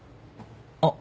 あっ。